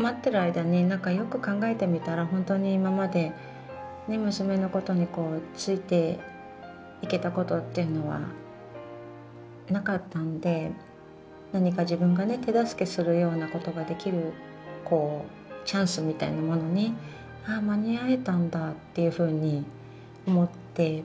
待ってる間に何かよく考えてみたら本当に今まで娘のことについていけたことっていうのはなかったので何か自分がね手助けするようなことができるこうチャンスみたいなものに「ああ間に合えたんだ」っていうふうに思って。